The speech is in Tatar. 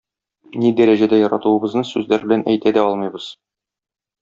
Ни дәрәҗәдә яратуыбызны сүзләр белән әйтә дә алмыйбыз.